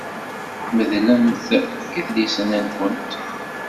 Medlemt idlisen-nkent!